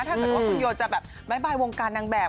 ถ้าเกิดว่าคุณโยจะแบบบ๊ายบายวงการนางแบบ